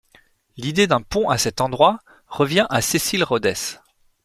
L'idée d'un pont à cet endroit revient à Cecil Rhodes.